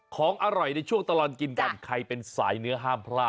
ของอร่อยในช่วงตลอดกินกันใครเป็นสายเนื้อห้ามพลาด